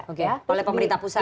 oke oleh pemerintah pusat